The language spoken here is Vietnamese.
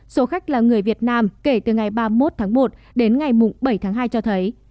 số khách là người việt nam kể từ ngày ba mươi một tháng một đến ngày bảy tháng hai cho thấy